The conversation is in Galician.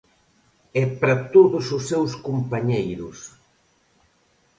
E para todos os seus compañeiros.